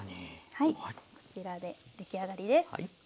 はいこちらで出来上がりです。